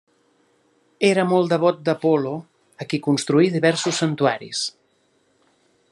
Era molt devot d'Apol·lo, a qui construí diversos santuaris.